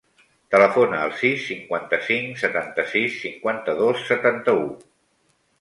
Telefona al sis, cinquanta-cinc, setanta-sis, cinquanta-dos, setanta-u.